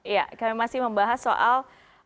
ya kami masih membahas soal